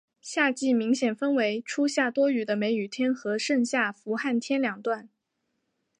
夏季明显分为初夏多雨的梅雨天和盛夏的伏旱天两段。